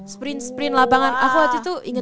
sprint sprint lapangan aku waktu itu inget banget